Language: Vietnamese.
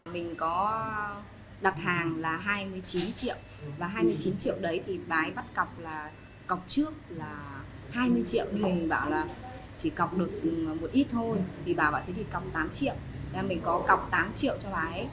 mình có đặt hàng là hai mươi chín triệu và hai mươi chín triệu đấy thì bà ấy bắt cọc là cọc trước là hai mươi triệu mình bảo là chỉ cọc được một ít thôi thì bà ấy bảo thì cọc tám triệu nên mình có cọc tám triệu cho bà ấy